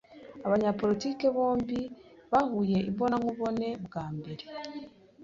Abanyapolitike bombi bahuye imbonankubone bwa mbere.